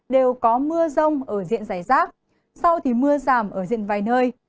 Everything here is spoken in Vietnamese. đều có mưa rông ở diện giải rác sau thì mưa giảm ở diện vài nơi